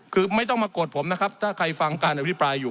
คือไม่ต้องมากดผมนะครับถ้าใครฟังการอภิปรายอยู่